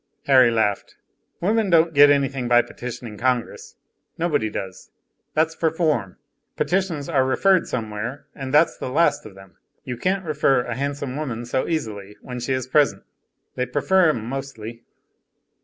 Harry laughed. "Women don't get anything by petitioning Congress; nobody does, that's for form. Petitions are referred somewhere, and that's the last of them; you can't refer a handsome woman so easily, when she is present. They prefer 'em mostly."